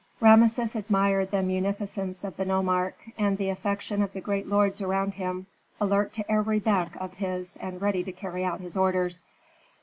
Rameses admired the munificence of the nomarch, and the affection of the great lords around him, alert to every beck of his and ready to carry out his orders.